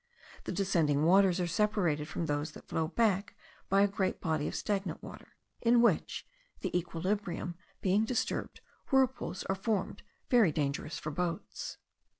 The descending waters are separated from those that flow back by a great body of stagnant water, in which, the equilibrium being disturbed, whirlpools are formed very dangerous for boats.